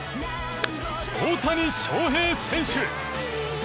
大谷翔平選手。